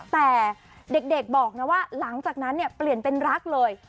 แต่เด็กบอกนะว่าหลังจากนั้นเนี่ยเปลี่ยนเป็นรักเลย